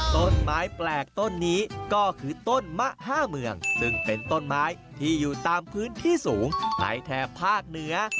ต้นไม้แปลกต้นนี้ก็คือต้นมะห้าเมืองซึ่งเป็นต้นไม้ที่อยู่ตามพื้นที่สูงในแถบภาคเหนือ